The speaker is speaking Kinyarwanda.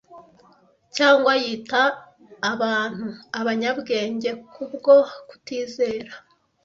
Cyangwa yita abantu abanyabwenge kubwo kutizera…